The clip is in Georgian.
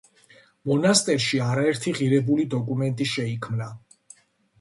მონასტერში არაერთი ღირებული დოკუმენტი შეიქმნა.